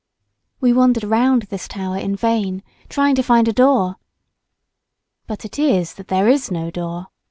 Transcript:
We wandered round this tower in vain, trying to find a door. " But it is that there is no door."